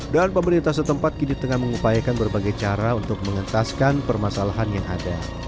dan pemerintah setempat kini sedang mengupayakan berbagai cara untuk mengentaskan permasalahan yang ada